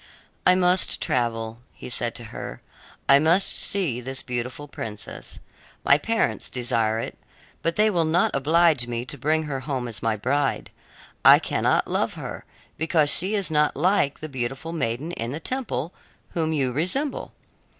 "I must travel," he had said to her; "I must see this beautiful princess. My parents desire it, but they will not oblige me to bring her home as my bride. I cannot love her, because she is not like the beautiful maiden in the temple, whom you resemble.